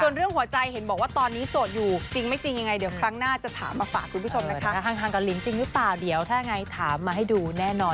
ส่วนเรื่องหัวใจเห็นบอกว่าตอนนี้โสดอยู่